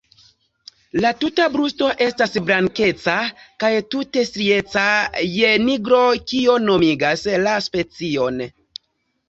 La tuta brusto estas blankeca kaj tute strieca je nigro, kio nomigas la specion.